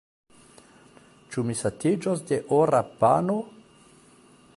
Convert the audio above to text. Ĉu mi satiĝos de ora pano?